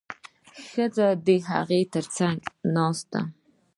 ښځه د هغه تر څنګ کېناسته.